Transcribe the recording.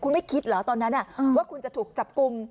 คุณไม่คิดเหรอตอนนั้นว่าคุณจะถูกจับกลุ่ม